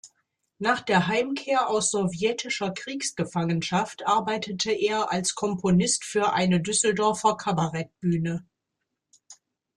Nach der Heimkehr aus sowjetischer Kriegsgefangenschaft arbeitete er als Komponist für eine Düsseldorfer Kabarettbühne.